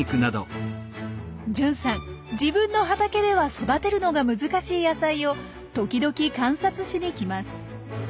純さん自分の畑では育てるのが難しい野菜を時々観察しに来ます。